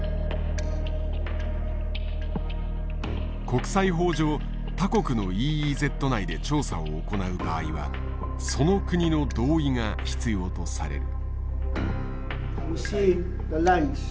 国際法上他国のＥＥＺ内で調査を行う場合はその国の同意が必要とされる。